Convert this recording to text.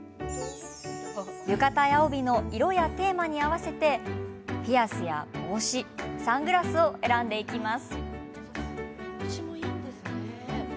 浴衣や帯の色やテーマに合わせてピアスや帽子、サングラスを選んでいきます。